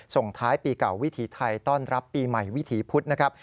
ส่งท้ายปีเก่าวิถีไทยต้อนรับปีใหม่วิถีพุธนะครับ